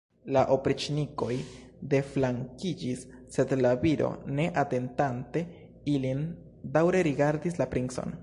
La opriĉnikoj deflankiĝis, sed la viro, ne atentante ilin, daŭre rigardis la princon.